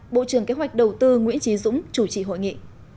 bộ trưởng kế hoạch đầu tư nguyễn trí dũng chủ trì hội nghị